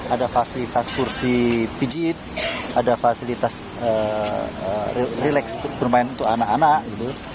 ada fasilitas kursi pijit ada fasilitas relax bermain untuk anak anak gitu